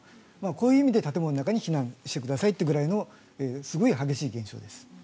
こういう意味で建物の中に避難してくださいというくらいのすごい激しい現象です。